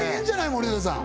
森永さん